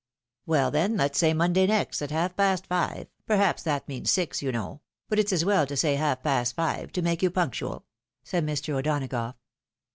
" Well, then, let's say Monday next, at half past five, perhaps that means six, you know ; but it's as well to say half past five, to make you punctual," said Mr. O'Donagough.